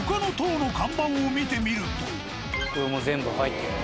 更にこれも全部入ってるの。